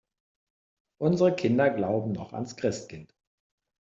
Unsere Kinder glauben noch ans Christkind.